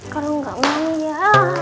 kalau gak mau ya